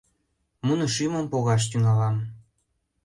Муно шӱмым погаш тӱҥалам.